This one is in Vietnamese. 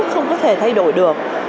không có thể thay đổi được